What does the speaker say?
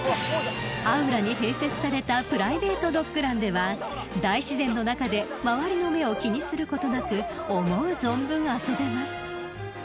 ［アウラに併設されたプライベートドッグランでは大自然の中で周りの目を気にすることなく思う存分遊べます］